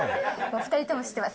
２人とも知ってます。